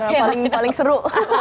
yang paling seru